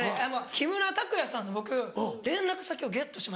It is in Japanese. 木村拓哉さんの僕連絡先をゲットしまして。